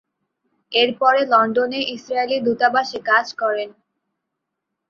এরপরে লন্ডনে ইসরায়েলি দূতাবাসে কাজ করেন।